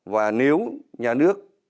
và nếu nhà nước